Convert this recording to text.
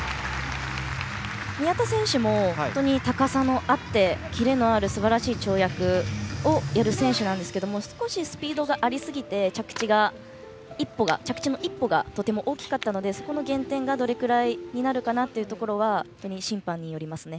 宮田選手も高さがあってキレのあるすばらしい跳躍をやる選手ですが少しスピードがありすぎて着地の１歩がとても大きかったのでそこの減点がどれくらいになるかなというところは本当に審判によりますね。